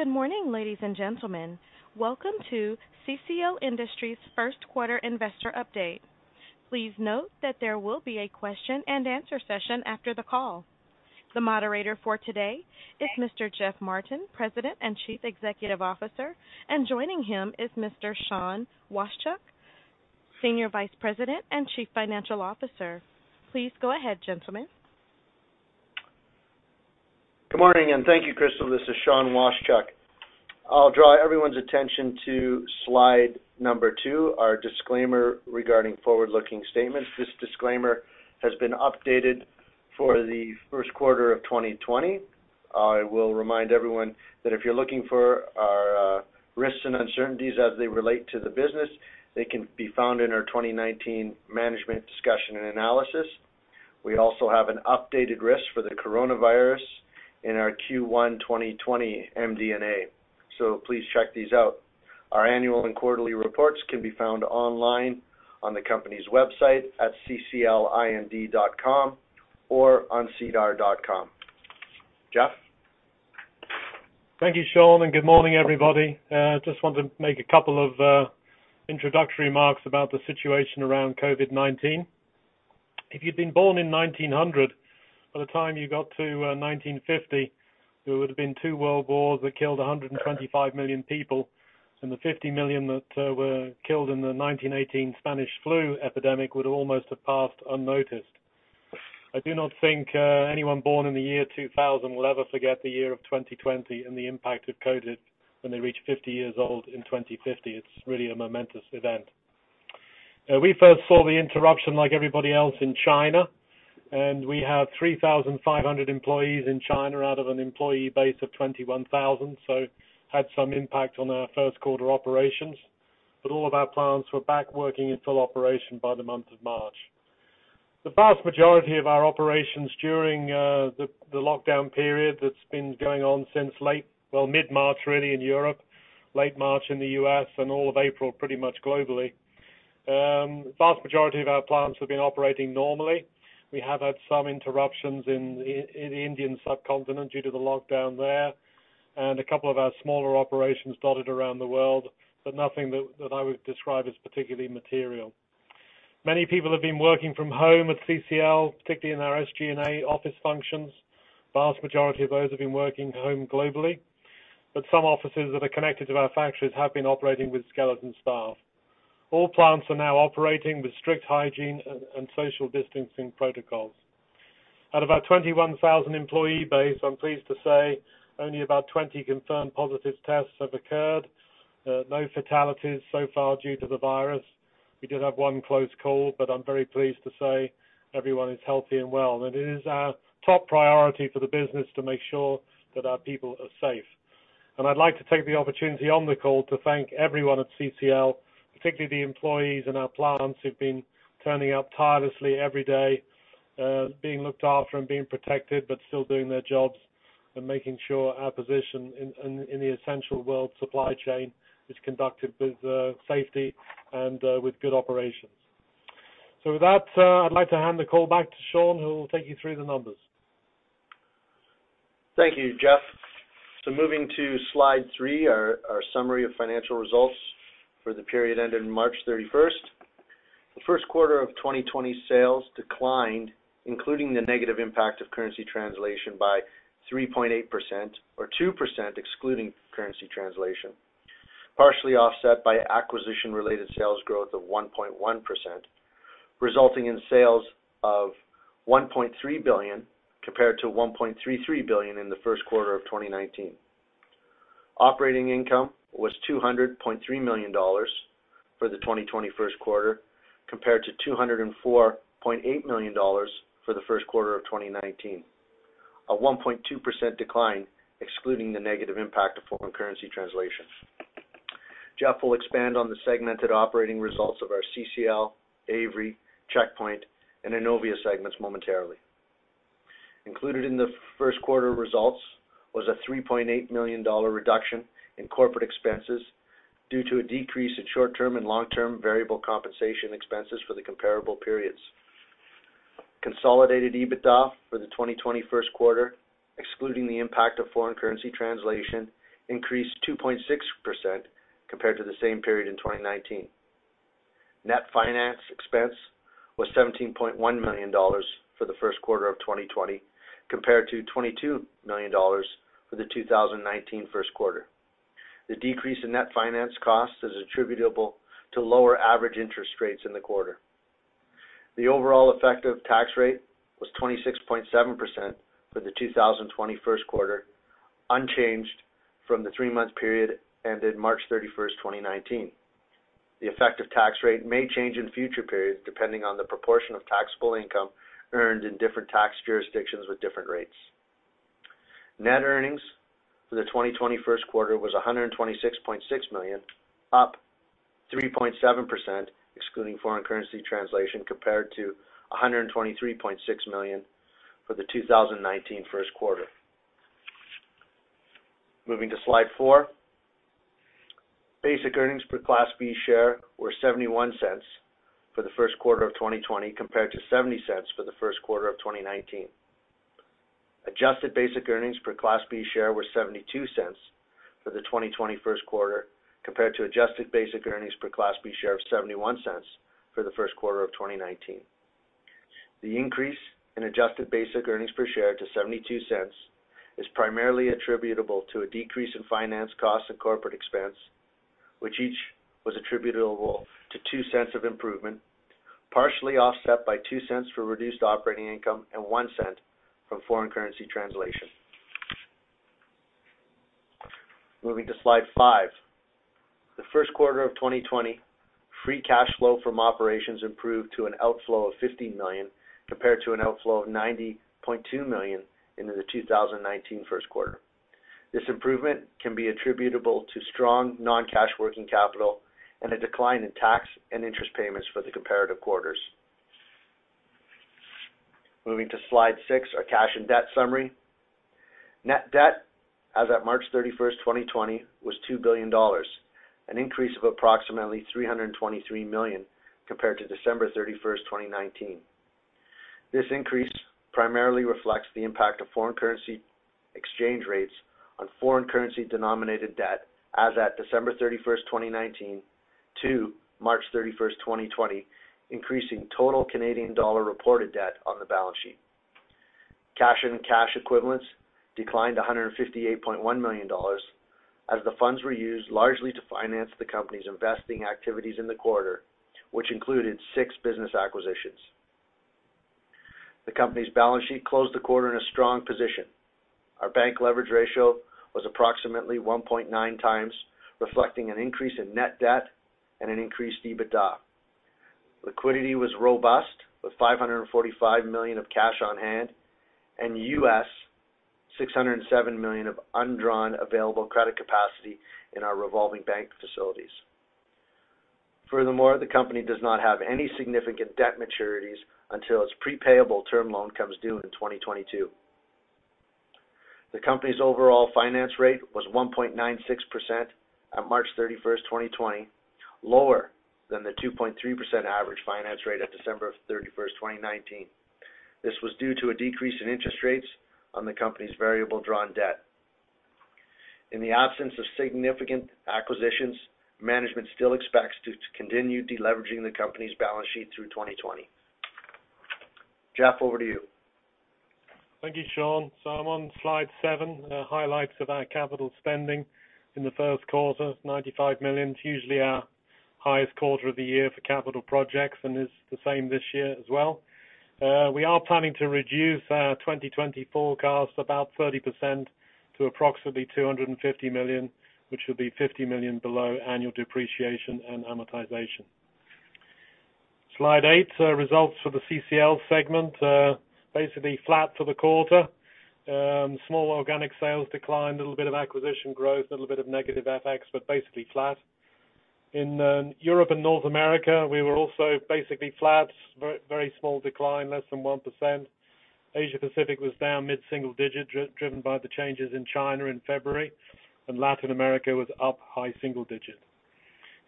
Good morning, ladies and gentlemen. Welcome to CCL Industries First Quarter Investor update. Please note that there will be a question and answer session after the call. The moderator for today is Mr. Geoff Martin, President and Chief Executive Officer, and joining him is Mr. Sean Washchuk, Senior Vice President and Chief Financial Officer. Please go ahead, gentlemen. Good morning. Thank you, Crystal. This is Sean Washchuk. I'll draw everyone's attention to slide number two, our disclaimer regarding forward-looking statements. This disclaimer has been updated for the first quarter of 2020. I will remind everyone that if you're looking for our risks and uncertainties as they relate to the business, they can be found in our 2019 management discussion and analysis. We also have an updated risk for the coronavirus in our Q1 2020 MD&A. Please check these out. Our annual and quarterly reports can be found online on the company's website at cclind.com or on sedar.com. Geoff? Thank you, Sean. Good morning, everybody. Just want to make a couple of introductory marks about the situation around COVID-19. If you'd been born in 1900, by the time you got to 1950, there would have been two world wars that killed 125 million people, and the 50 million that were killed in the 1918 Spanish flu epidemic would almost have passed unnoticed. I do not think anyone born in the year 2000 will ever forget the year of 2020 and the impact of COVID when they reach 50 years old in 2050. It's really a momentous event. We first saw the interruption like everybody else in China, and we have 3,500 employees in China out of an employee base of 21,000, so had some impact on our first quarter operations, but all of our plants were back working in full operation by the month of March. The vast majority of our operations during the lockdown period that's been going on since mid-March, really, in Europe, late March in the U.S., and all of April, pretty much globally. Vast majority of our plants have been operating normally. We have had some interruptions in the Indian subcontinent due to the lockdown there, and a couple of our smaller operations dotted around the world, but nothing that I would describe as particularly material. Many people have been working from home at CCL, particularly in our SG&A office functions. Vast majority of those have been working home globally, but some offices that are connected to our factories have been operating with skeleton staff. All plants are now operating with strict hygiene and social distancing protocols. Out of our 21,000 employee base, I'm pleased to say only about 20 confirmed positive tests have occurred. No fatalities so far due to the virus. We did have one close call, but I'm very pleased to say everyone is healthy and well. It is our top priority for the business to make sure that our people are safe. I'd like to take the opportunity on the call to thank everyone at CCL, particularly the employees in our plants who've been turning up tirelessly every day, being looked after and being protected, but still doing their jobs and making sure our position in the essential world supply chain is conducted with safety and with good operations. With that, I'd like to hand the call back to Sean, who will take you through the numbers. Thank you, Geoff. Moving to slide three, our summary of financial results for the period ended March 31st. The first quarter of 2020 sales declined, including the negative impact of currency translation by 3.8%, or 2% excluding currency translation, partially offset by acquisition-related sales growth of 1.1%, resulting in sales of 1.3 billion compared to 1.33 billion in the first quarter of 2019. Operating income was 200.3 million dollars for the 2020 first quarter, compared to 204.8 million dollars for the first quarter of 2019, a 1.2% decline excluding the negative impact of foreign currency translation. Geoff will expand on the segmented operating results of our CCL, Avery, Checkpoint, and Innovia segments momentarily. Included in the first quarter results was a 3.8 million dollar reduction in corporate expenses due to a decrease in short-term and long-term variable compensation expenses for the comparable periods. Consolidated EBITDA for the 2020 first quarter, excluding the impact of foreign currency translation, increased 2.6% compared to the same period in 2019. Net finance expense was 17.1 million dollars for the first quarter of 2020, compared to 22 million dollars for the 2019 first quarter. The decrease in net finance cost is attributable to lower average interest rates in the quarter. The overall effective tax rate was 26.7% for the 2020 first quarter, unchanged from the three-month period ended March 31st, 2019. The effective tax rate may change in future periods depending on the proportion of taxable income earned in different tax jurisdictions with different rates. Net earnings for the 2020 first quarter was 126.6 million, up 3.7%, excluding foreign currency translation, compared to 123.6 million for the 2019 first quarter. Moving to slide four. Basic earnings per Class B share were 0.71 for the first quarter of 2020 compared to 0.70 for the first quarter of 2019. Adjusted basic earnings per Class B share were 0.72 for the 2020 first quarter compared to adjusted basic earnings per Class B share of 0.71 for the first quarter of 2019. The increase in adjusted basic earnings per share to 0.72 is primarily attributable to a decrease in finance cost and corporate expense, which each was attributable to 0.02 of improvement, partially offset by 0.02 for reduced operating income and 0.01 from foreign currency translation. Moving to slide five. The first quarter of 2020, free cash flow from operations improved to an outflow of 50 million compared to an outflow of 90.2 million in the 2019 first quarter. This improvement can be attributable to strong non-cash working capital and a decline in tax and interest payments for the comparative quarters. Moving to slide six, our cash and debt summary. Net debt as at March 31st, 2020, was 2 billion dollars, an increase of approximately 323 million compared to December 31st, 2019. This increase primarily reflects the impact of foreign currency exchange rates on foreign currency denominated debt as at December 31st, 2019 to March 31st, 2020, increasing total Canadian dollar reported debt on the balance sheet. Cash and cash equivalents declined 158.1 million dollars as the funds were used largely to finance the company's investing activities in the quarter, which included six business acquisitions. The company's balance sheet closed the quarter in a strong position. Our bank leverage ratio was approximately 1.9 times, reflecting an increase in net debt and an increased EBITDA. Liquidity was robust, with 545 million of cash on hand and $607 million of undrawn available credit capacity in our revolving bank facilities. The company does not have any significant debt maturities until its pre-payable term loan comes due in 2022. The company's overall finance rate was 1.96% at March 31st, 2020, lower than the 2.3% average finance rate at December 31st, 2019. This was due to a decrease in interest rates on the company's variable drawn debt. In the absence of significant acquisitions, management still expects to continue de-leveraging the company's balance sheet through 2020. Jeff, over to you. Thank you, Sean. I'm on slide seven, highlights of our capital spending in the first quarter. 95 million is usually our highest quarter of the year for capital projects, and it's the same this year as well. We are planning to reduce our 2020 forecast about 30% to approximately 250 million, which will be 50 million below annual depreciation and amortization. Slide eight, results for the CCL segment. Basically flat for the quarter. Small organic sales decline, a little bit of acquisition growth, little bit of negative FX, but basically flat. In Europe and North America, we were also basically flat. Very small decline, less than 1%. Asia Pacific was down mid-single digit, driven by the changes in China in February, and Latin America was up high single digits.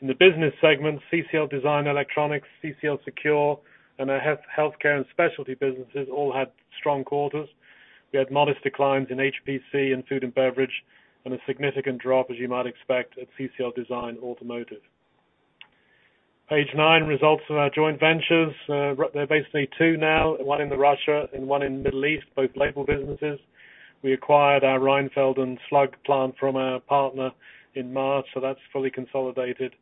In the business segment, CCL Design and Electronics, CCL Secure, and our Healthcare and Specialty businesses all had strong quarters. We had modest declines in HPC and Food & Beverage. A significant drop, as you might expect, at CCL Design Automotive. Page nine, results of our joint ventures. There are basically two now, one in Russia and one in Middle East, both label businesses. We acquired our Rheinfelden slug plant from our partner in March. That's fully consolidated,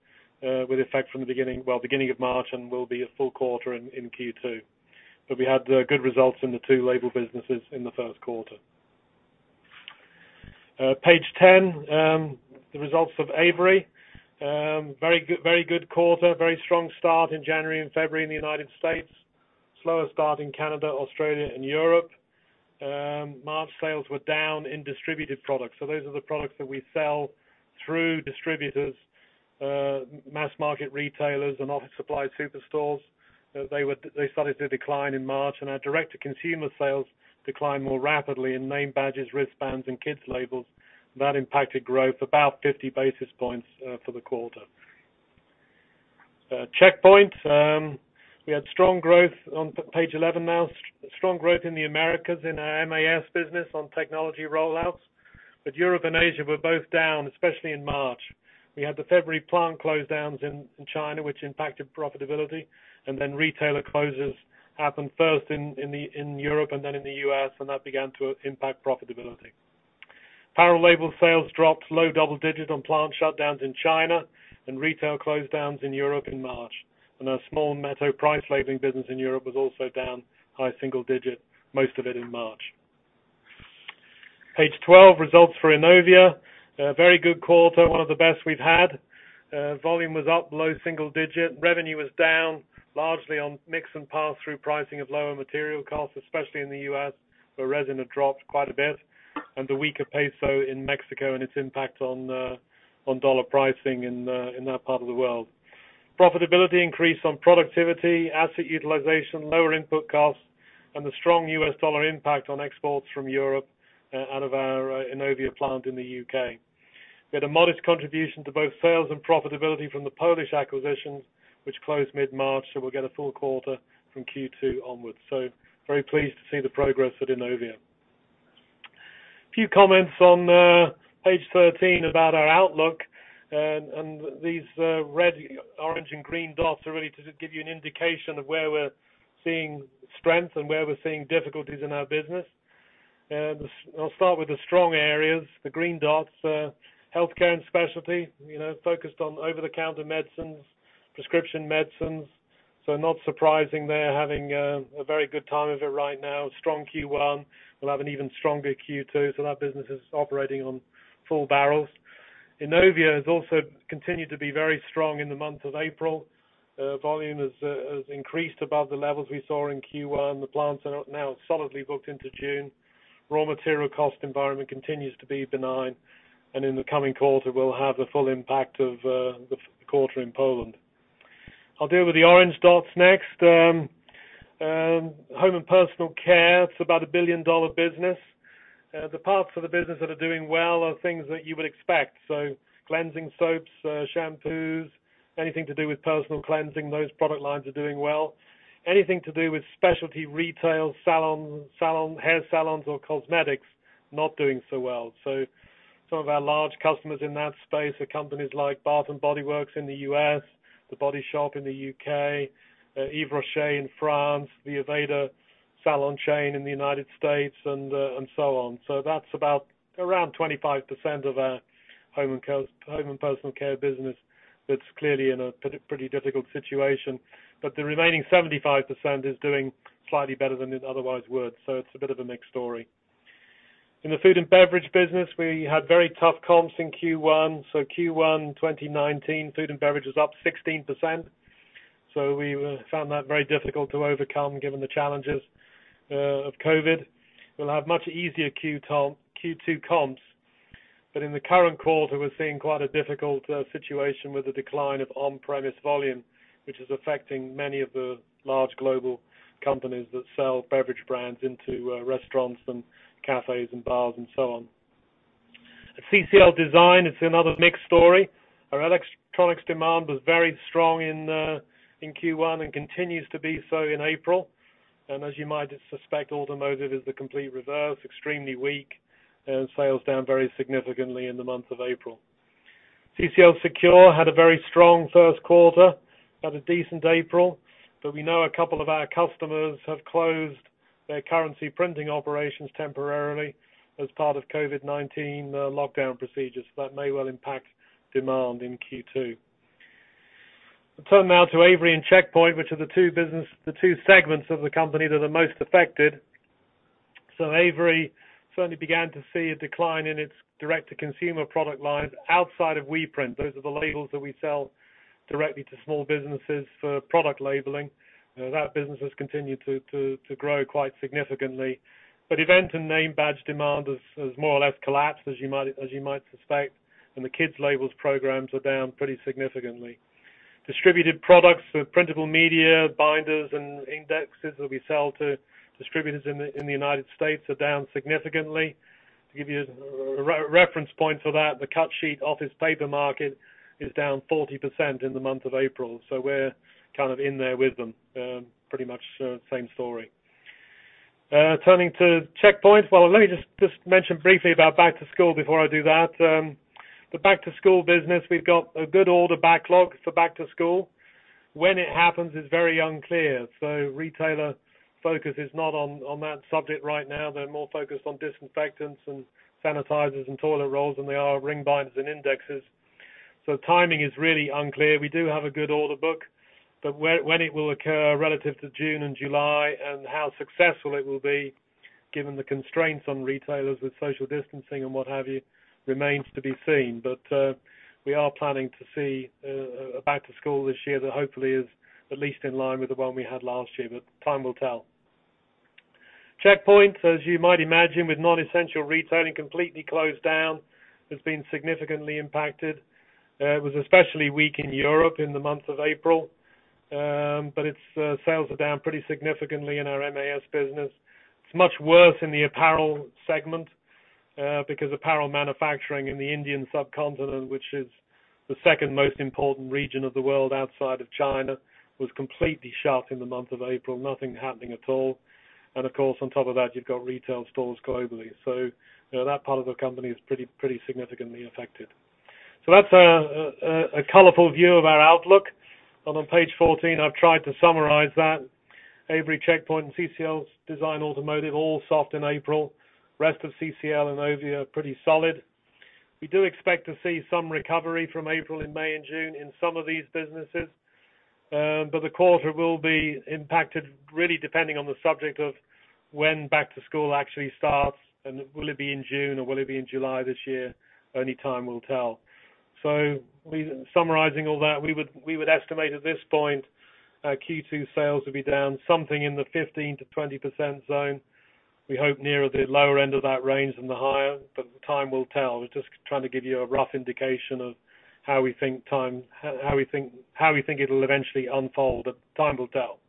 with effect from the beginning of March and will be a full quarter in Q2. We had good results in the two label businesses in the first quarter. Page 10, the results of Avery. Very good quarter. Very strong start in January and February in the United States. Slower start in Canada, Australia, and Europe. March sales were down in distributed products. Those are the products that we sell through distributors, mass market retailers, and office supply superstores. They started to decline in March, and our direct-to-consumer sales declined more rapidly in name badges, wristbands, and kids labels. That impacted growth about 50 basis points for the quarter. Checkpoint. We had strong growth on page 11 now. Strong growth in the Americas in our MAS business on technology rollouts. Europe and Asia were both down, especially in March. We had the February plant close downs in China, which impacted profitability, and then retailer closes happened first in Europe and then in the U.S., and that began to impact profitability. Apparel label sales dropped low double digits on plant shutdowns in China and retail close downs in Europe in March. Our small metal price labeling business in Europe was also down high single digit, most of it in March. Page 12, results for Innovia. A very good quarter, one of the best we've had. Volume was up low single digit. Revenue was down, largely on mix and pass-through pricing of lower material costs, especially in the U.S., where resin had dropped quite a bit, and the weaker peso in Mexico and its impact on CAD pricing in that part of the world. Profitability increased on productivity, asset utilization, lower input costs, and the strong U.S. dollar impact on exports from Europe out of our Innovia plant in the U.K. We had a modest contribution to both sales and profitability from the Polish acquisitions, which closed mid-March, so we'll get a full quarter from Q2 onwards. Very pleased to see the progress at Innovia. A few comments on page 13 about our outlook, these red, orange, and green dots are really to just give you an indication of where we're seeing strength and where we're seeing difficulties in our business. I'll start with the strong areas, the green dots. Healthcare and Specialty, focused on over-the-counter medicines, prescription medicines, so not surprising they're having a very good time of it right now. Strong Q1. We'll have an even stronger Q2, so that business is operating on full barrels. Innovia has also continued to be very strong in the month of April. Volume has increased above the levels we saw in Q1. The plants are now solidly booked into June. Raw material cost environment continues to be benign, and in the coming quarter, we'll have the full impact of the quarter in Poland. I'll deal with the orange dots next. Home and Personal Care, it's about a billion-dollar business. The parts of the business that are doing well are things that you would expect. Cleansing soaps, shampoos, anything to do with personal cleansing, those product lines are doing well. Anything to do with specialty retail, hair salons, or cosmetics, not doing so well. Some of our large customers in that space are companies like Bath & Body Works in the U.S., The Body Shop in the U.K., Yves Rocher in France, the Aveda salon chain in the United States, and so on. That's about around 25% of our Home and Personal Care business that's clearly in a pretty difficult situation. The remaining 75% is doing slightly better than it otherwise would, so it's a bit of a mixed story. In the food and beverage business, we had very tough comps in Q1. Q1 2019, food and beverage was up 16%, so we found that very difficult to overcome given the challenges of COVID. We'll have much easier Q2 comps. In the current quarter, we're seeing quite a difficult situation with the decline of on-premise volume, which is affecting many of the large global companies that sell beverage brands into restaurants, and cafes, and bars, and so on. At CCL Design, it's another mixed story. Our electronics demand was very strong in Q1 and continues to be so in April. As you might suspect, automotive is the complete reverse, extremely weak, and sales down very significantly in the month of April. CCL Secure had a very strong first quarter, had a decent April, but we know a couple of our customers have closed their currency printing operations temporarily as part of COVID-19 lockdown procedures. That may well impact demand in Q2. I'll turn now to Avery and Checkpoint, which are the two segments of the company that are most affected. Avery certainly began to see a decline in its direct-to-consumer product lines outside of WePrint. Those are the labels that we sell directly to small businesses for product labeling. That business has continued to grow quite significantly. Event and name badge demand has more or less collapsed, as you might suspect, and the kids labels programs are down pretty significantly. Distributed products, so printable media, binders, and indexes that we sell to distributors in the U.S. are down significantly. To give you a reference point for that, the cut sheet office paper market is down 40% in the month of April. We're kind of in there with them. Pretty much same story. Turning to Checkpoint. Let me just mention briefly about back to school before I do that. The back-to-school business, we've got a good order backlog for back to school. When it happens is very unclear. Retailer focus is not on that subject right now. They're more focused on disinfectants and sanitizers and toilet rolls than they are ring binders and indexes. Timing is really unclear. We do have a good order book. When it will occur relative to June and July and how successful it will be, given the constraints on retailers with social distancing and what have you, remains to be seen. We are planning to see a back to school this year that hopefully is at least in line with the one we had last year, but time will tell. Checkpoint, as you might imagine, with non-essential retailing completely closed down, has been significantly impacted. It was especially weak in Europe in the month of April. Its sales are down pretty significantly in our MAS business. It's much worse in the apparel segment because apparel manufacturing in the Indian subcontinent, which is the second most important region of the world outside of China, was completely shut in the month of April. Nothing happening at all. Of course, on top of that, you've got retail stores globally. That part of the company is pretty significantly affected. That's a colorful view of our outlook. On page 14, I've tried to summarize that. Avery, Checkpoint, and CCL Design Automotive, all soft in April. Rest of CCL and Innovia are pretty solid. We do expect to see some recovery from April in May and June in some of these businesses. The quarter will be impacted really depending on the subject of when back to school actually starts, and will it be in June or will it be in July this year? Only time will tell. Summarizing all that, we would estimate at this point Q2 sales will be down something in the 15%-20% zone. We hope nearer the lower end of that range than the higher, time will tell. We're just trying to give you a rough indication of how we think it'll eventually unfold, time will tell.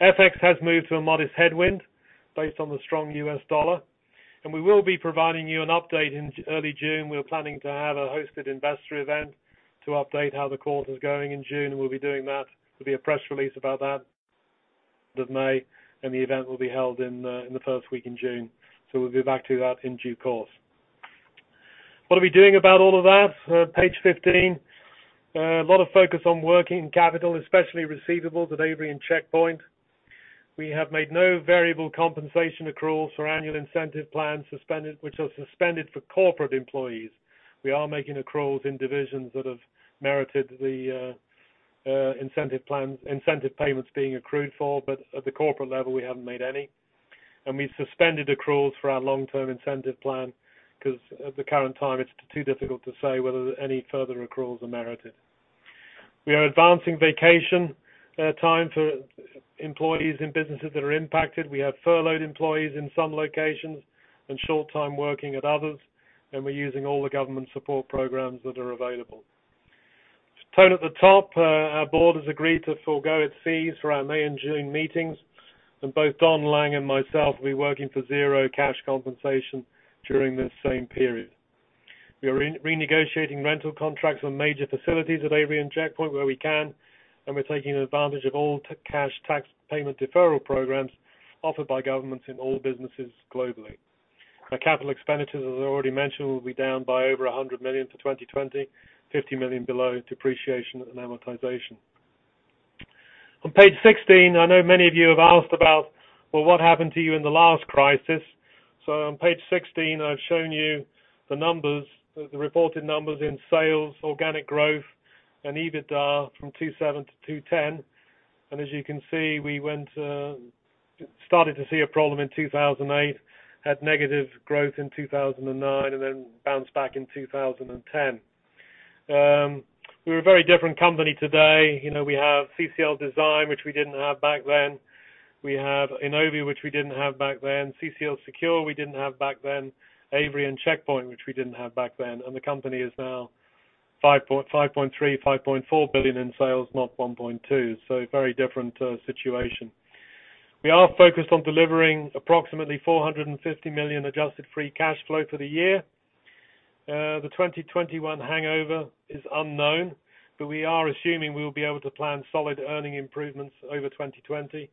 FX has moved to a modest headwind based on the strong U.S. dollar, we will be providing you an update in early June. We're planning to have a hosted investor event to update how the quarter's going in June, we'll be doing that. There'll be a press release about that, the May, the event will be held in the first week in June. We'll get back to that in due course. What are we doing about all of that? page 15. A lot of focus on working capital, especially receivables at Avery and Checkpoint. We have made no variable compensation accruals for annual incentive plans, which are suspended for corporate employees. We are making accruals in divisions that have merited the incentive payments being accrued for, but at the corporate level, we haven't made any. We suspended accruals for our long-term incentive plan because at the current time, it's too difficult to say whether any further accruals are merited. We are advancing vacation time for employees in businesses that are impacted. We have furloughed employees in some locations and short-time working at others, and we're using all the government support programs that are available. The tone at the top, our board has agreed to forgo its fees for our May and June meetings, and both Donald Lang and myself will be working for zero cash compensation during this same period. We are renegotiating rental contracts on major facilities at Avery and Checkpoint where we can, and we're taking advantage of all cash tax payment deferral programs offered by governments in all businesses globally. Our capital expenditures, as I already mentioned, will be down by over 100 million to 2020, 50 million below depreciation and amortization. On page 16, I know many of you have asked about, well, what happened to you in the last crisis. On page 16, I've shown you the reported numbers in sales, organic growth, and EBITDA from 2007 to 2010. As you can see, we started to see a problem in 2008, had negative growth in 2009, and then bounced back in 2010. We're a very different company today. We have CCL Design, which we didn't have back then. We have Innovia, which we didn't have back then. CCL Secure, we didn't have back then. Avery and Checkpoint, which we didn't have back then. The company is now 5.3 billion, 5.4 billion in sales, not 1.2 billion, very different situation. We are focused on delivering approximately 450 million adjusted free cash flow for the year. The 2021 hangover is unknown, we are assuming we will be able to plan solid earning improvements over 2020.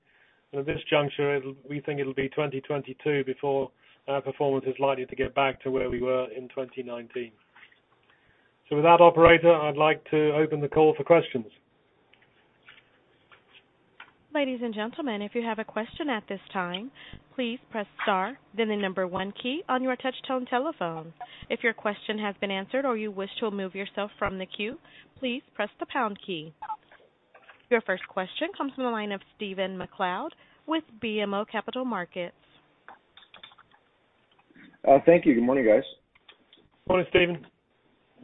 At this juncture, we think it'll be 2022 before our performance is likely to get back to where we were in 2019. With that, operator, I'd like to open the call for questions. Ladies and gentlemen, if you have a question at this time, please press star, then the number 1 key on your touch-tone telephone. If your question has been answered or you wish to remove yourself from the queue, please press the pound key. Your first question comes from the line of Stephen MacLeod with BMO Capital Markets. Thank you. Good morning, guys. Morning, Stephen.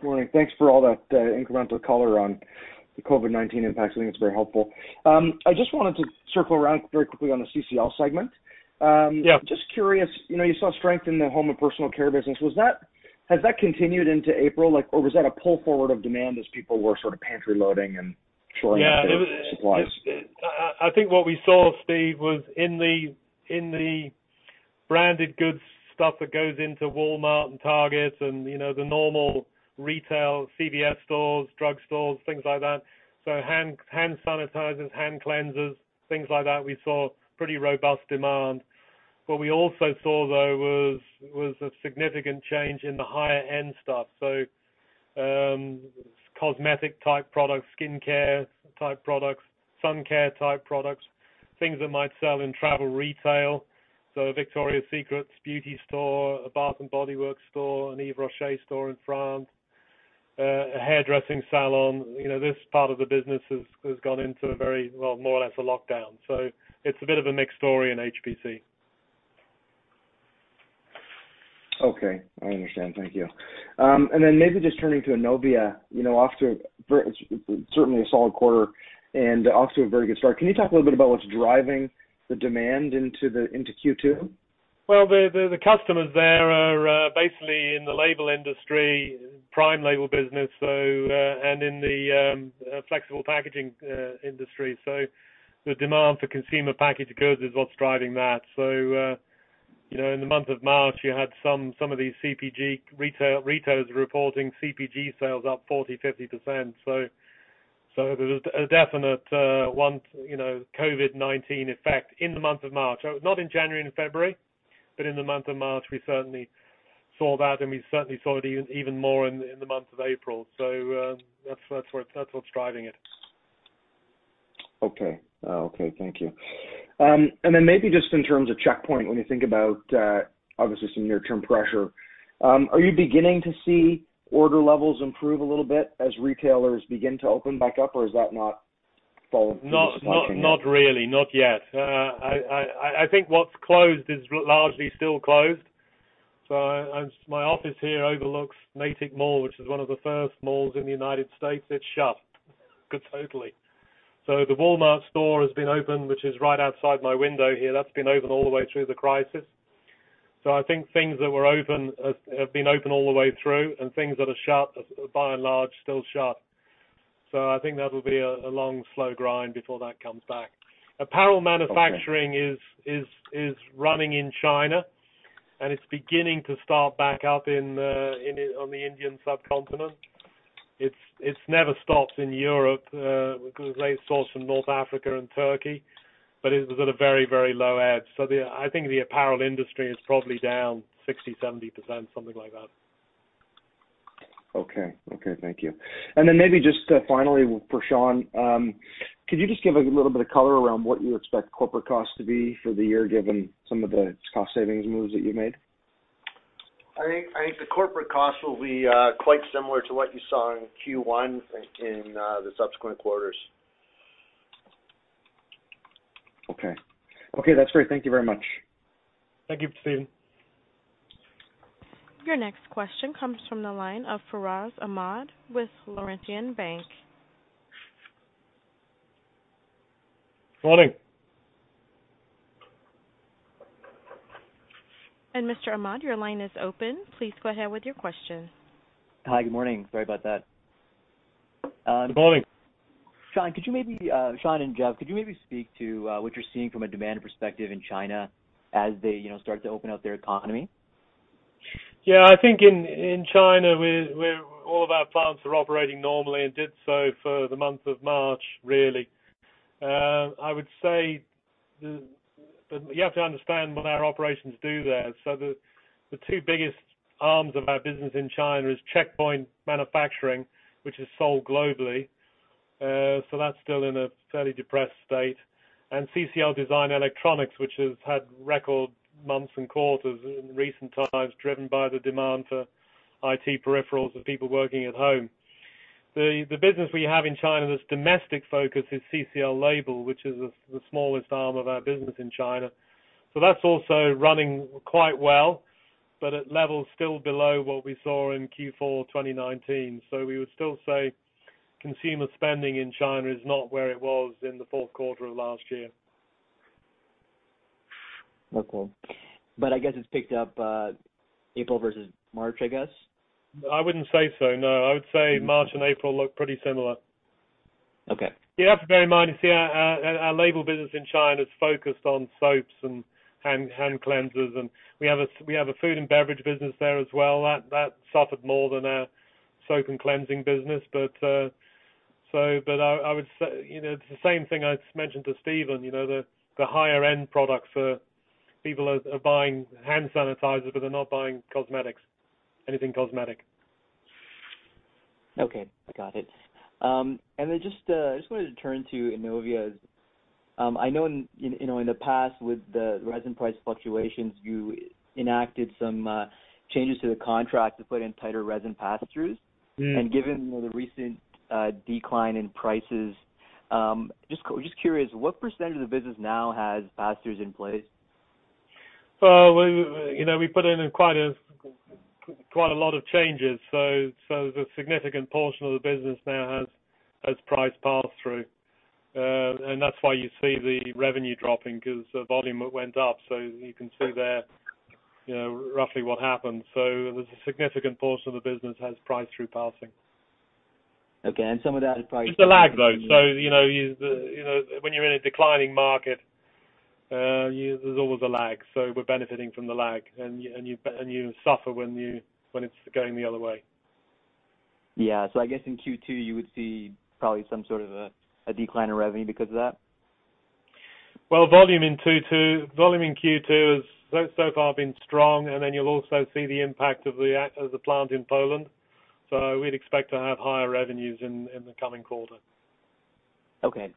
Morning. Thanks for all that incremental color on the COVID-19 impact. I think it's very helpful. I just wanted to circle around very quickly on the CCL segment. Yeah. Just curious, you saw strength in the Home and Personal Care business. Has that continued into April? Was that a pull forward of demand as people were sort of pantry loading and short of supplies? Yeah. I think what we saw, Steve, was in the branded goods stuff that goes into Walmart and Target and the normal retail, CVS stores, drug stores, things like that. Hand sanitizers, hand cleansers, things like that, we saw pretty robust demand. What we also saw, though, was a significant change in the higher end stuff. Cosmetic-type products, skincare-type products, sun care-type products, things that might sell in travel retail. Victoria's Secret's beauty store, a Bath & Body Works store, an Yves Rocher store in France, a hairdressing salon. This part of the business has gone into a very, well, more or less a lockdown. It's a bit of a mixed story in HPC. Okay. I understand. Thank you. Then maybe just turning to Innovia, off to certainly a solid quarter and off to a very good start. Can you talk a little bit about what's driving the demand into Q2? Well, the customers there are basically in the label industry, prime label business, and in the flexible packaging industry. The demand for consumer packaged goods is what's driving that. In the month of March, you had some of these retailers reporting CPG sales up 40%, 50%. There was a definite COVID-19 effect in the month of March. Not in January and February, but in the month of March, we certainly saw that, and we certainly saw it even more in the month of April. That's what's driving it. Okay. Thank you. Maybe just in terms of Checkpoint, when you think about, obviously, some near-term pressure. Are you beginning to see order levels improve a little bit as retailers begin to open back up, or is that not falling into place yet? Not really. Not yet. I think what's closed is largely still closed. My office here overlooks Natick Mall, which is one of the first malls in the U.S. It's shut. Totally. The Walmart store has been open, which is right outside my window here. That's been open all the way through the crisis. I think things that were open, have been open all the way through, and things that are shut are, by and large, still shut. I think that'll be a long, slow grind before that comes back. Apparel manufacturing is running in China, and it's beginning to start back up on the Indian subcontinent. It's never stopped in Europe, because they source from North Africa and Turkey, but it was at a very, very low ebb. I think the apparel industry is probably down 60%, 70%, something like that. Okay. Thank you. Then maybe just finally for Sean, could you just give a little bit of color around what you expect corporate costs to be for the year, given some of the cost-savings moves that you made? I think the corporate costs will be quite similar to what you saw in Q1 in the subsequent quarters. Okay. That's great. Thank you very much. Thank you, Stephen. Your next question comes from the line of Faraz Ahmad with Laurentian Bank. Morning. Mr. Ahmad, your line is open. Please go ahead with your question. Hi. Good morning. Sorry about that. Good morning. Sean and Geoff, could you maybe speak to what you're seeing from a demand perspective in China as they start to open up their economy? Yeah, I think in China, all of our plants are operating normally and did so for the month of March, really. I would say, you have to understand what our operations do there. The two biggest arms of our business in China is Checkpoint manufacturing, which is sold globally. That's still in a fairly depressed state. CCL Design and Electronics, which has had record months and quarters in recent times driven by the demand for IT peripherals and people working at home. The business we have in China that's domestic-focused is CCL Label, which is the smallest arm of our business in China. That's also running quite well, but at levels still below what we saw in Q4 2019. We would still say consumer spending in China is not where it was in the fourth quarter of last year. Okay. I guess it's picked up April versus March, I guess? I wouldn't say so, no. I would say March and April look pretty similar. Okay. You have to bear in mind, you see our label business in China is focused on soaps and hand cleansers, and we have a food and beverage business there as well. That suffered more than our soap and cleansing business. It's the same thing I mentioned to Stephen, the higher end products. People are buying hand sanitizers, but they're not buying cosmetics. Anything cosmetic. Okay, got it. I just wanted to turn to Innovia. I know in the past with the resin price fluctuations, you enacted some changes to the contract to put in tighter resin pass-throughs. Given the recent decline in prices, just curious, what percentage of the business now has pass-throughs in place? We put in quite a lot of changes. A significant portion of the business now has price pass-through. That's why you see the revenue dropping because the volume went up. You can see there roughly what happened. There's a significant portion of the business has price through passing. Okay, some of that is. It's a lag, though. When you're in a declining market, there's always a lag. We're benefiting from the lag, and you suffer when it's going the other way. Yeah. I guess in Q2, you would see probably some sort of a decline in revenue because of that? Volume in Q2 has so far been strong, and then you'll also see the impact of the plant in Poland. We'd expect to have higher revenues in the coming quarter. Okay.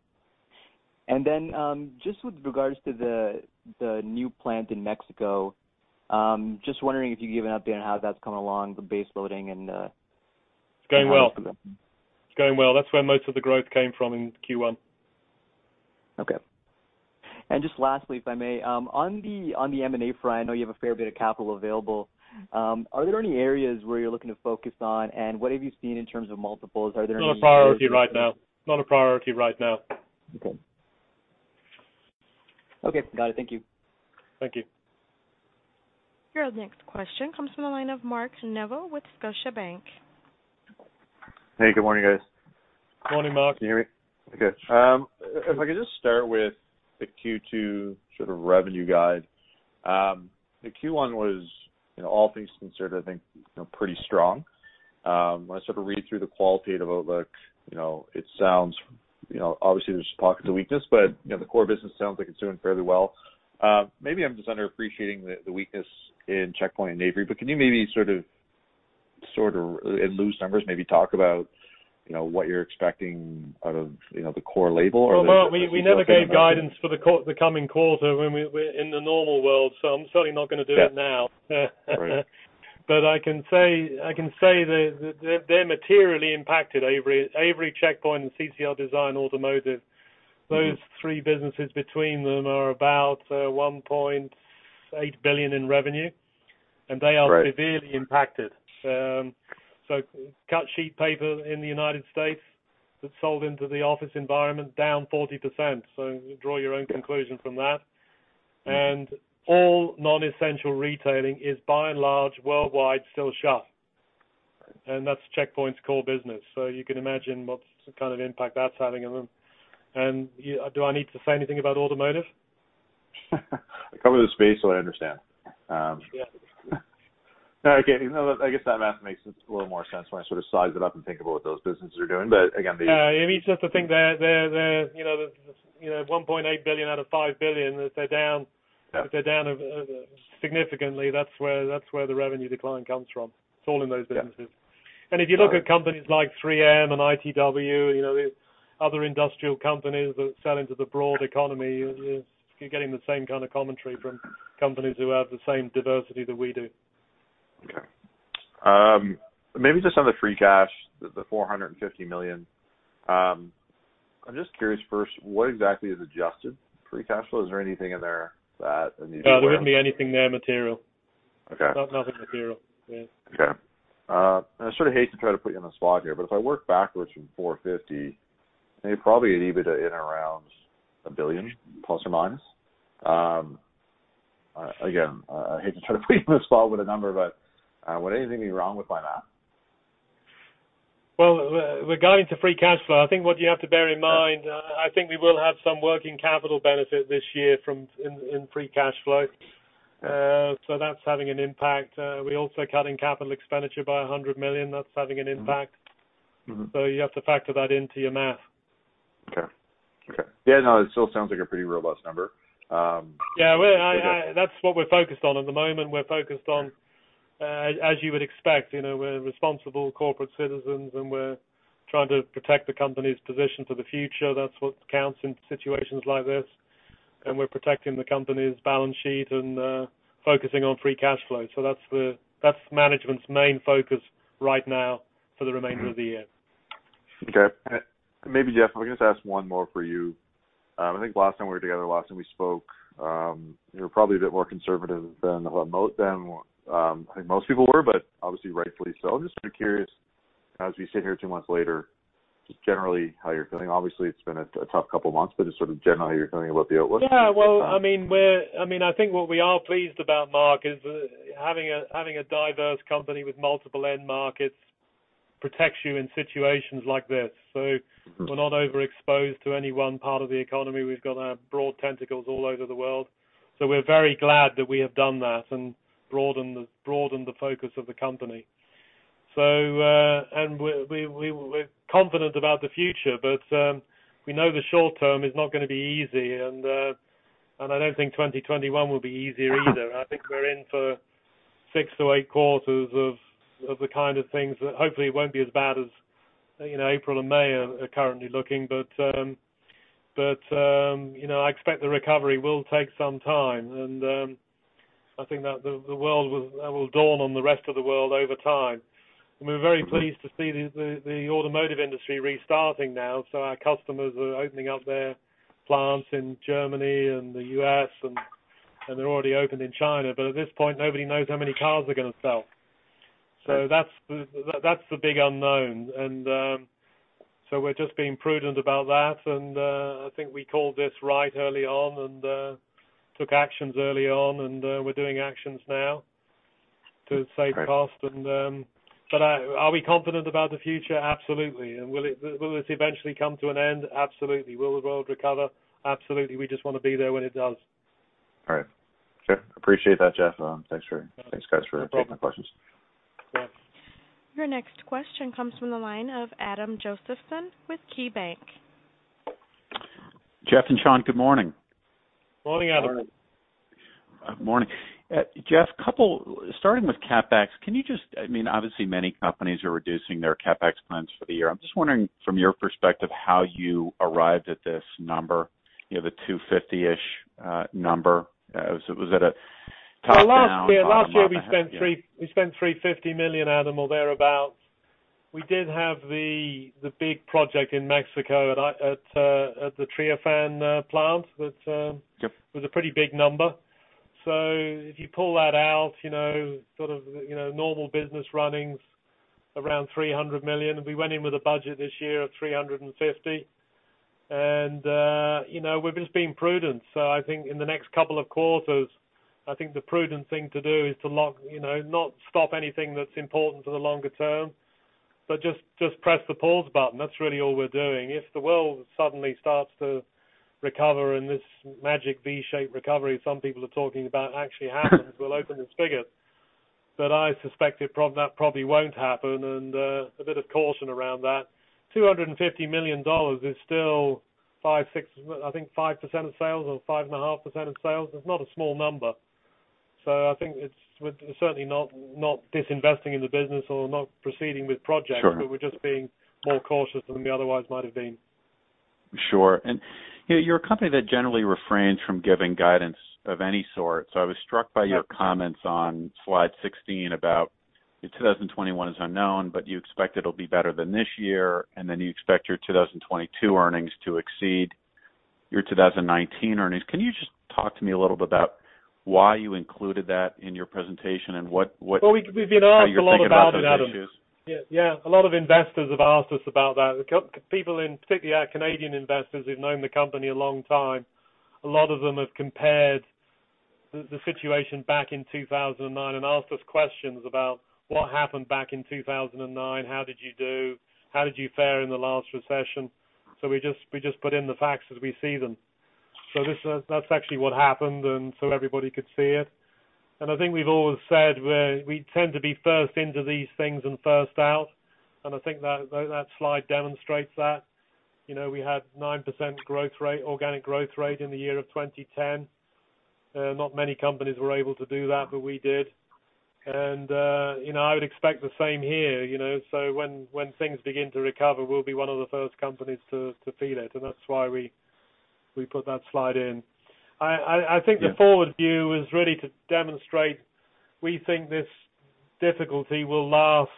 Then, just with regards to the new plant in Mexico, just wondering if you could give an update on how that's coming along, the base loading? It's going well. How it's progressing. It's going well. That's where most of the growth came from in Q1. Okay. Just lastly, if I may. On the M&A front, I know you have a fair bit of capital available. Are there any areas where you're looking to focus on, and what have you seen in terms of multiples? Not a priority right now. Okay. Got it. Thank you. Thank you. Your next question comes from the line of Mark Neville with Scotiabank. Hey, good morning, guys. Morning, Mark. Can you hear me? Okay. If I could just start with the Q2 sort of revenue guide. The Q1 was, all things considered, I think pretty strong. When I sort of read through the qualitative outlook, obviously there's pockets of weakness, but the core business sounds like it's doing fairly well. Maybe I'm just underappreciating the weakness in Checkpoint and Avery, but can you maybe sort of in loose numbers, maybe talk about what you're expecting out of the core label? Well, Mark, we never gave guidance for the coming quarter when we're in the normal world, so I'm certainly not going to do it now. Right. I can say that they're materially impacted, Avery, Checkpoint, and CCL Design Automotive. Those three businesses between them are about 1.8 billion in revenue. Right. They are severely impacted. Cut sheet paper in the U.S. that's sold into the office environment, down 40%. Draw your own conclusion from that. All non-essential retailing is by and large worldwide still shut. That's Checkpoint's core business. You can imagine what kind of impact that's having on them. Do I need to say anything about automotive? I cover the space, so I understand. Yeah. Okay. I guess that math makes a little more sense when I size it up and think about what those businesses are doing. Again. Yeah. I mean, it's just the thing they're 1.8 billion out of 5 billion. If they're down- Yeah if they're down significantly, that's where the revenue decline comes from. It's all in those businesses. Yeah. If you look at companies like 3M and ITW, other industrial companies that sell into the broad economy, you're getting the same kind of commentary from companies who have the same diversity that we do. Okay. Maybe just on the free cash, the 450 million. I'm just curious first, what exactly is adjusted free cash flow? Is there anything in there that I need to know? No, there isn't anything there material. Okay. Nothing material. Yeah. Okay. I sort of hate to try to put you on the spot here, but if I work backwards from 450, I think probably an EBITDA in around CAD 1 billion plus or minus. Again, I hate to try to put you on the spot with a number, but would anything be wrong with my math? Well, regarding to free cash flow, I think what you have to bear in mind- Yeah I think we will have some working capital benefit this year in free cash flow. That's having an impact. We're also cutting capital expenditure by 100 million. That's having an impact. You have to factor that into your math. Okay. Yeah, no, it still sounds like a pretty robust number. Yeah. That's what we're focused on at the moment. Right As you would expect, we're responsible corporate citizens, and we're trying to protect the company's position for the future. That's what counts in situations like this. We're protecting the company's balance sheet and focusing on free cash flow. That's management's main focus right now for the remainder of the year. Okay. Maybe, Jeff, I'm going to just ask one more for you. I think last time we were together, last time we spoke, you were probably a bit more conservative than I think most people were, but obviously rightfully so. I'm just sort of curious, as we sit here two months later, just generally how you're feeling. Obviously, it's been a tough couple of months, but just sort of generally how you're feeling about the outlook at this time. Yeah. I think what we are pleased about, Mark, is having a diverse company with multiple end markets protects you in situations like this. We're not overexposed to any one part of the economy. We've got our broad tentacles all over the world. We're very glad that we have done that and broadened the focus of the company. We're confident about the future, but we know the short term is not going to be easy, and I don't think 2021 will be easier either. I think we're in for six to eight quarters of the kind of things that hopefully won't be as bad as April and May are currently looking. I expect the recovery will take some time, and I think that will dawn on the rest of the world over time. We're very pleased to see the automotive industry restarting now. Our customers are opening up their plants in Germany and the U.S., and they're already open in China. At this point, nobody knows how many cars they're going to sell. Right. That's the big unknown. We're just being prudent about that, and I think we called this right early on and took actions early on, and we're doing actions now to save cost. Great. Are we confident about the future? Absolutely. Will this eventually come to an end? Absolutely. Will the world recover? Absolutely. We just want to be there when it does. All right. Sure. Appreciate that, Jeff. Thanks, guys. No problem. taking the questions. Yeah. Your next question comes from the line of Adam Josephson with KeyBanc. Jeff and Sean, good morning. Morning, Adam. Morning. Morning. Geoff, starting with CapEx, obviously many companies are reducing their CapEx plans for the year. I'm just wondering from your perspective, how you arrived at this number, the 250-ish number. Was it a top-down, bottom-up? Last year we spent 350 million, Adam, or thereabout. We did have the big project in Mexico at the Treofan plant. Yep was a pretty big number. If you pull that out, sort of normal business running's around 300 million. We went in with a budget this year of 350, and we're just being prudent. I think in the next couple of quarters, I think the prudent thing to do is to not stop anything that's important to the longer term, but just press the pause button. That's really all we're doing. If the world suddenly starts to recover and this magic V-shaped recovery some people are talking about actually happens, we'll open the spigot. I suspect that probably won't happen, and a bit of caution around that. 250 million dollars is still 5%-6%, I think 5% of sales or 5.5% of sales. It's not a small number. I think we're certainly not disinvesting in the business or not proceeding with projects. Sure. We're just being more cautious than we otherwise might have been. Sure. You're a company that generally refrains from giving guidance of any sort. I was struck by your comments on slide 16 about your 2021 is unknown, but you expect it'll be better than this year, and then you expect your 2022 earnings to exceed your 2019 earnings. Can you just talk to me a little bit about why you included that in your presentation? Well, we've been asked a lot about it, Adam. how you're thinking about those issues? Yeah. A lot of investors have asked us about that. People in, particularly our Canadian investors, who've known the company a long time, a lot of them have compared the situation back in 2009 and asked us questions about what happened back in 2009. How did you do? How did you fare in the last recession? We just put in the facts as we see them. That's actually what happened, and so everybody could see it. I think we've always said we tend to be first into these things and first out, and I think that slide demonstrates that. We had 9% organic growth rate in the year of 2010. Not many companies were able to do that, but we did. I would expect the same here. When things begin to recover, we'll be one of the first companies to feel it, and that's why we put that slide in. Yeah The forward view is really to demonstrate we think this difficulty will last,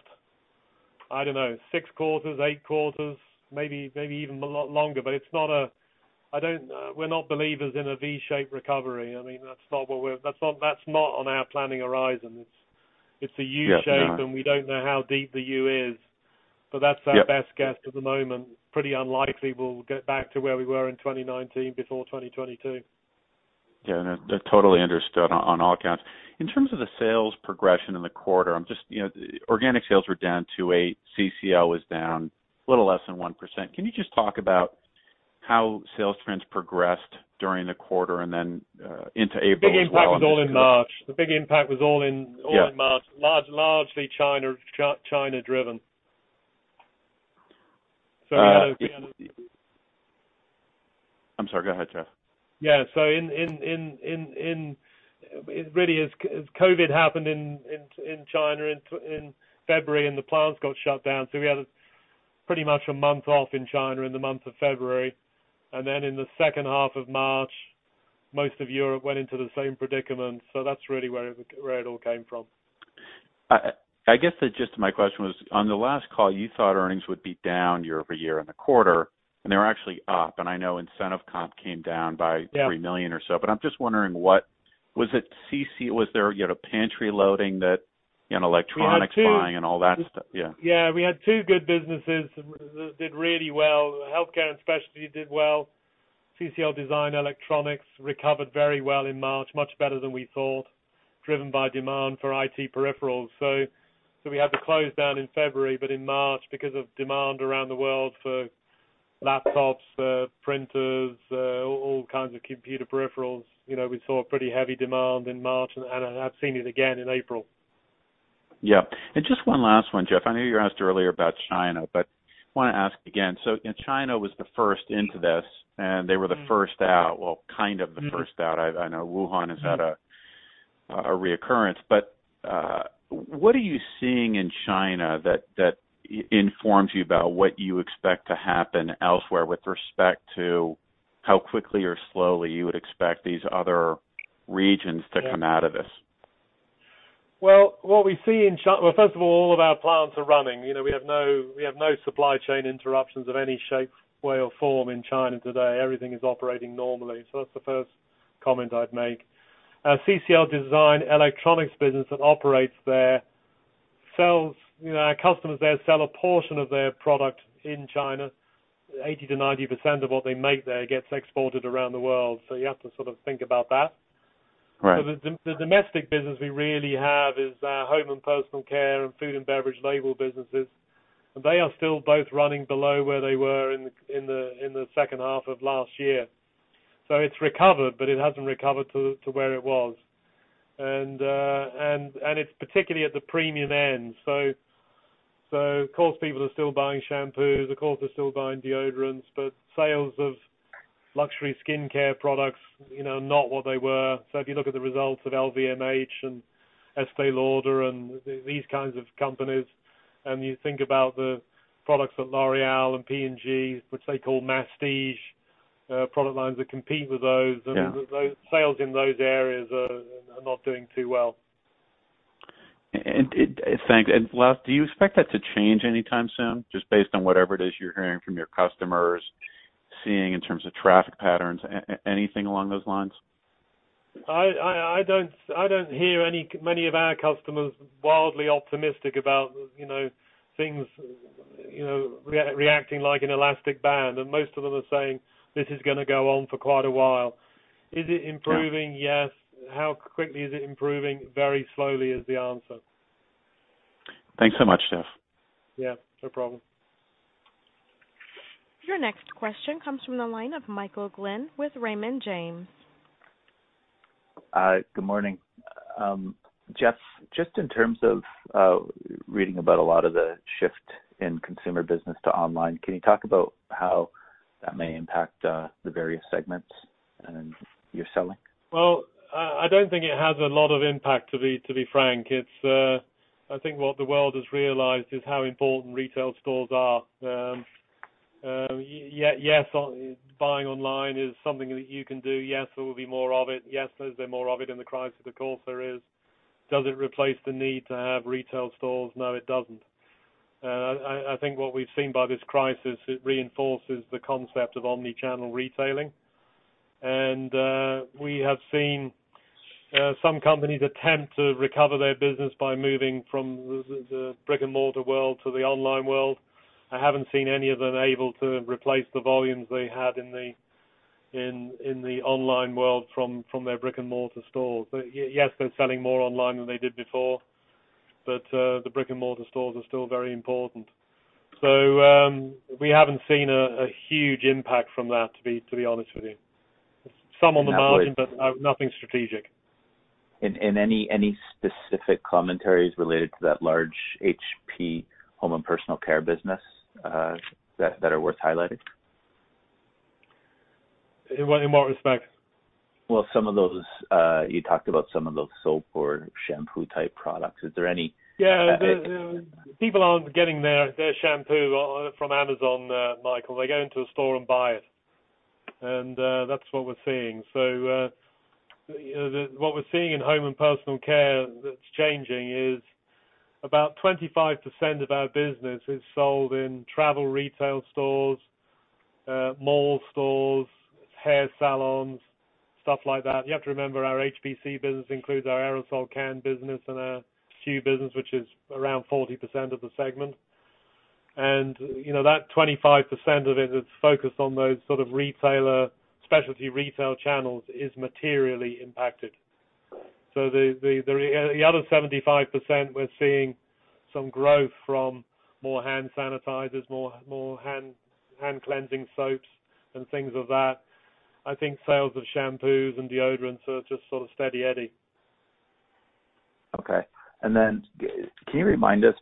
I don't know, six quarters, eight quarters, maybe even a lot longer. We're not believers in a V-shaped recovery. That's not on our planning horizon. Yes, no a U-shape, and we don't know how deep the U is. Yep our best guess at the moment. Pretty unlikely we'll get back to where we were in 2019 before 2022. Yeah, no. Totally understood on all accounts. In terms of the sales progression in the quarter, organic sales were down 2.8%, CCL was down a little less than 1%. Can you just talk about how sales trends progressed during the quarter and then into April as well? The big impact was all in March. Yeah. Largely China-driven. I'm sorry. Go ahead, Jeff. Yeah. Really, as COVID happened in China in February, and the plants got shut down, we had a pretty much a month off in China in the month of February. In the second half of March, most of Europe went into the same predicament. That's really where it all came from. I guess the gist of my question was, on the last call, you thought earnings would be down year-over-year in the quarter, and they were actually up. I know incentive comp came down. Yeah 3 million or so. I'm just wondering, was there a pantry loading that, electronics buying and all that stuff? Yeah. Yeah. We had two good businesses that did really well. Healthcare and specialty did well. CCL Design Electronics recovered very well in March, much better than we thought, driven by demand for IT peripherals. We had the close down in February, but in March, because of demand around the world for laptops, for printers, all kinds of computer peripherals, we saw a pretty heavy demand in March, and have seen it again in April. Yeah. Just one last one, Geoff. I know you were asked earlier about China, I want to ask again. China was the first into this, and they were the first out. Well, kind of the first out. I know Wuhan has had a reoccurrence. What are you seeing in China that informs you about what you expect to happen elsewhere with respect to how quickly or slowly you would expect these other regions- Yeah to come out of this? Well, first of all of our plants are running. We have no supply chain interruptions of any shape, way, or form in China today. Everything is operating normally. That's the first comment I'd make. Our CCL Design Electronics business that operates there, our customers there sell a portion of their product in China. 80%-90% of what they make there gets exported around the world, you have to sort of think about that. Right. The domestic business we really have is our Home and Personal Care and food and beverage label businesses. They are still both running below where they were in the second half of last year. It's recovered, but it hasn't recovered to where it was. It's particularly at the premium end. Of course, people are still buying shampoos, of course, they're still buying deodorants, but sales of luxury skincare products, not what they were. If you look at the results of LVMH and Estée Lauder and these kinds of companies, and you think about the products at L'Oréal and P&G, which they call masstige, product lines that compete with those. Yeah sales in those areas are not doing too well. Thanks. Last, do you expect that to change anytime soon, just based on whatever it is you're hearing from your customers, seeing in terms of traffic patterns? Anything along those lines? I don't hear many of our customers wildly optimistic about things reacting like an elastic band, and most of them are saying this is going to go on for quite a while. Is it improving? Yeah. Yes. How quickly is it improving? Very slowly is the answer. Thanks so much, Jeff. Yeah, no problem. Your next question comes from the line of Michael Glen with Raymond James. Good morning. Jeff, just in terms of reading about a lot of the shift in consumer business to online, can you talk about how that may impact the various segments you're selling? Well, I don't think it has a lot of impact, to be frank. I think what the world has realized is how important retail stores are. Yes, buying online is something that you can do. Yes, there will be more of it. Yes, there's been more of it in the crisis. Of course, there is. Does it replace the need to have retail stores? No, it doesn't. I think what we've seen by this crisis, it reinforces the concept of omni-channel retailing. We have seen some companies attempt to recover their business by moving from the brick-and-mortar world to the online world. I haven't seen any of them able to replace the volumes they had in the online world from their brick-and-mortar stores. Yes, they're selling more online than they did before, but the brick-and-mortar stores are still very important. We haven't seen a huge impact from that, to be honest with you. And that would- Nothing strategic. Any specific commentaries related to that large HPC Home and Personal Care business that are worth highlighting? In what respect? Well, you talked about some of those soap or shampoo-type products. Yeah. People aren't getting their shampoo from Amazon, Michael. They go into a store and buy it. That's what we're seeing. What we're seeing in Home and Personal Care that's changing is about 25% of our business is sold in travel retail stores, mall stores, hair salons, stuff like that. You have to remember, our HPC business includes our aerosol can business and our SKU business, which is around 40% of the segment. That 25% of it that's focused on those sort of specialty retail channels is materially impacted. The other 75%, we're seeing some growth from more hand sanitizers, more hand cleansing soaps and things of that. I think sales of shampoos and deodorants are just sort of steady Eddie. Okay. Can you remind us,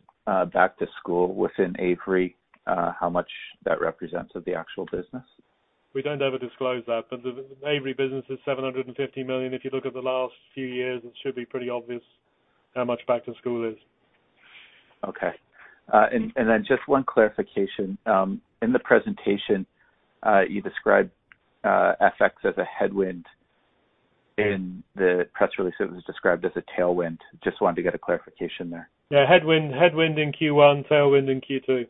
back to school within Avery, how much that represents of the actual business? We don't ever disclose that. The Avery business is 750 million. If you look at the last few years, it should be pretty obvious how much back to school is. Okay. Then just one clarification. In the presentation, you described FX as a headwind. In the press release, it was described as a tailwind. Just wanted to get a clarification there. Yeah, headwind in Q1, tailwind in Q2.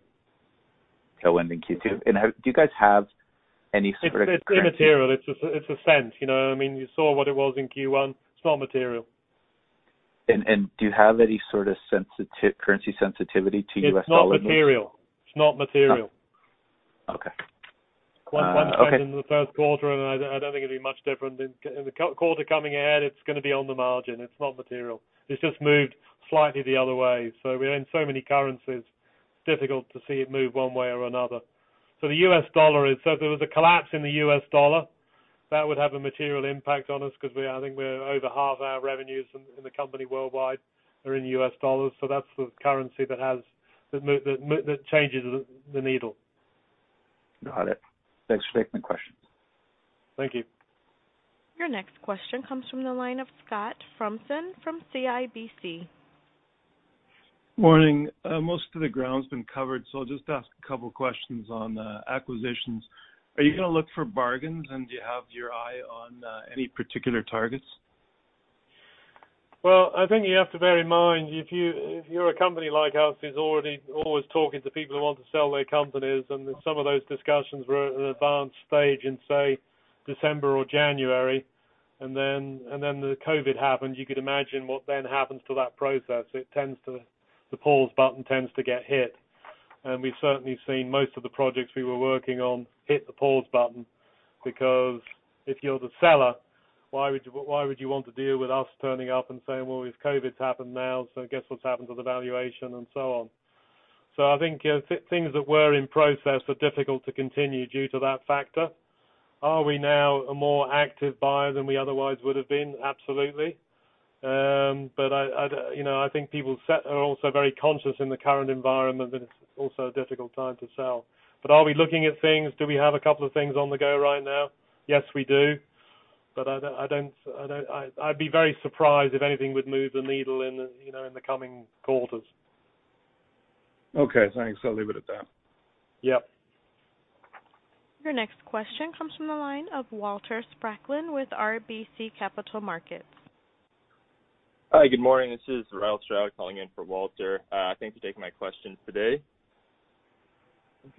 Tailwind in Q2. Do you guys have any sort of currency It's immaterial. It's CAD 0.01. You know what I mean? You saw what it was in Q1. It's not material. Do you have any sort of currency sensitivity to U.S. dollar moves? It's not material. Okay. 0.01 in the first quarter. I don't think it'd be much different. In the quarter coming ahead, it's going to be on the margin. It's not material. It's just moved slightly the other way. We own so many currencies, it's difficult to see it move one way or another. If there was a collapse in the U.S. dollar, that would have a material impact on us because I think we're over half our revenues in the company worldwide are in U.S. dollars. That's the currency that changes the needle. Got it. Thanks for taking the question. Thank you. Your next question comes from the line of Scott Fromson from CIBC. Morning. Most of the ground's been covered. I'll just ask a couple questions on acquisitions. Are you going to look for bargains, do you have your eye on any particular targets? Well, I think you have to bear in mind, if you're a company like us who's already always talking to people who want to sell their companies, and some of those discussions were at an advanced stage in, say, December or January, and then the COVID happened, you could imagine what then happens to that process. The pause button tends to get hit. We've certainly seen most of the projects we were working on hit the pause button, because if you're the seller, why would you want to deal with us turning up and saying, "Well, if COVID's happened now, so guess what's happened to the valuation," and so on. I think things that were in process are difficult to continue due to that factor. Are we now a more active buyer than we otherwise would have been? Absolutely. I think people are also very conscious in the current environment that it's also a difficult time to sell. Are we looking at things? Do we have a couple of things on the go right now? Yes, we do. I'd be very surprised if anything would move the needle in the coming quarters. Okay, thanks. I'll leave it at that. Yep. Your next question comes from the line of Walter Spracklin with RBC Capital Markets. Hi, good morning. This is Ryall Stroud calling in for Walter. Thank you for taking my questions today.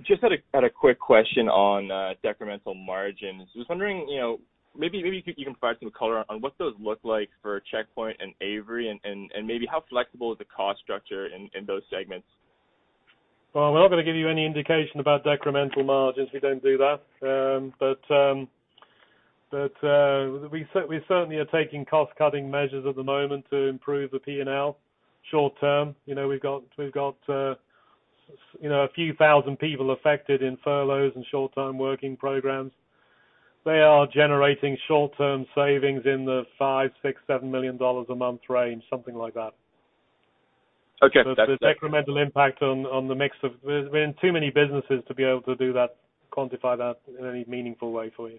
Just had a quick question on decremental margins. Just wondering, maybe you can provide some color on what those look like for Checkpoint and Avery, and maybe how flexible is the cost structure in those segments? Well, we're not going to give you any indication about decremental margins. We don't do that. We certainly are taking cost-cutting measures at the moment to improve the P&L short term. We've got a few thousand people affected in furloughs and short-term working programs. They are generating short-term savings in the five, six, 7 million dollars a month range, something like that. Okay. We're in too many businesses to be able to do that, quantify that in any meaningful way for you.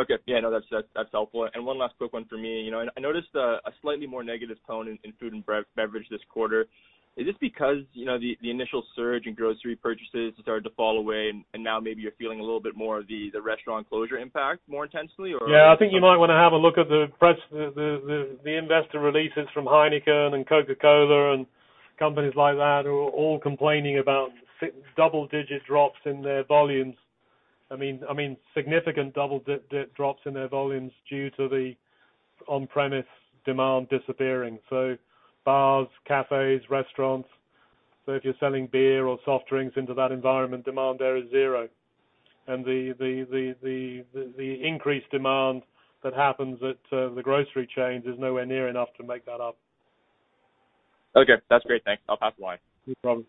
Okay. Yeah, no, that's helpful. One last quick one for me. I noticed a slightly more negative tone in food and beverage this quarter. Is this because the initial surge in grocery purchases has started to fall away and now maybe you're feeling a little bit more of the restaurant closure impact more intensely? Yeah, I think you might want to have a look at the investor releases from Heineken and Coca-Cola and companies like that, who are all complaining about double-digit drops in their volumes. I mean, significant double-digit drops in their volumes due to the on-premise demand disappearing. Bars, cafes, restaurants. If you're selling beer or soft drinks into that environment, demand there is zero. The increased demand that happens at the grocery chains is nowhere near enough to make that up. Okay, that's great. Thanks. I'll pass the line. No problem.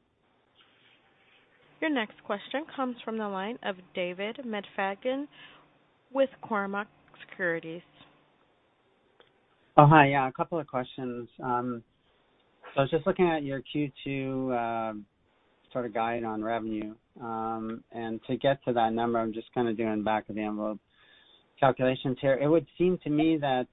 Your next question comes from the line of David McFadgen with Cormark Securities. Oh, hi. Yeah, a couple of questions. I was just looking at your Q2 sort of guide on revenue. To get to that number, I'm just kind of doing back of the envelope calculations here. It would seem to me that,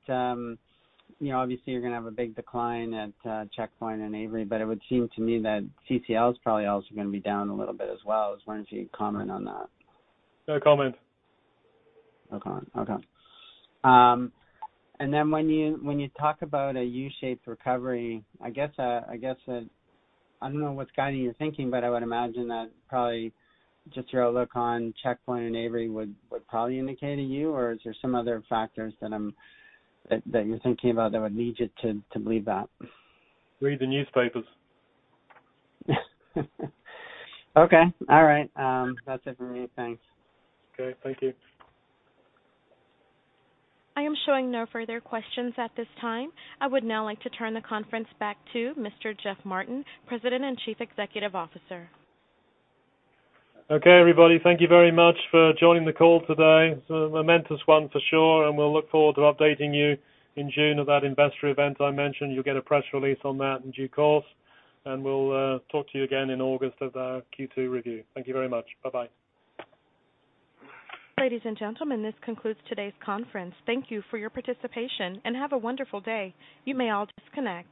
obviously you're going to have a big decline at Checkpoint and Avery, it would seem to me that CCL is probably also going to be down a little bit as well. I was wondering if you could comment on that. No comment. Okay. When you talk about a U-shaped recovery, I don't know what's guiding your thinking, but I would imagine that probably just your outlook on Checkpoint and Avery would probably indicate a U, or is there some other factors that you're thinking about that would lead you to believe that? Read the newspapers. Okay. All right. That's it from me. Thanks. Okay. Thank you. I am showing no further questions at this time. I would now like to turn the conference back to Mr. Geoff Martin, President and Chief Executive Officer. Okay, everybody. Thank you very much for joining the call today. It's a momentous one for sure, and we'll look forward to updating you in June at that investor event I mentioned. You'll get a press release on that in due course. We'll talk to you again in August at our Q2 review. Thank you very much. Bye-bye. Ladies and gentlemen, this concludes today's conference. Thank you for your participation, and have a wonderful day. You may all disconnect.